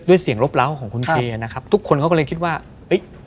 เสียงลบเล้าของคุณเคนะครับทุกคนเขาก็เลยคิดว่าเอ้ย